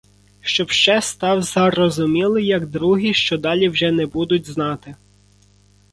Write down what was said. Щоб ще став зарозумілий, як другі, що далі вже не будуть знати,.